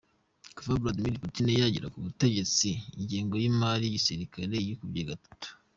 Kuva Vladmir Putin yagera ku butegetsi ingengo y’ imari y’ igisirikare yikubye gatatu.